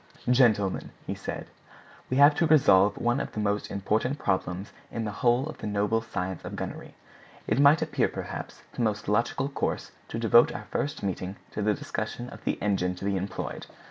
"Gentlemen," said he, "we have to resolve one of the most important problems in the whole of the noble science of gunnery. It might appear, perhaps, the most logical course to devote our first meeting to the discussion of the engine to be employed.